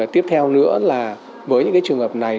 tiếp theo nữa là với những cái trường hợp này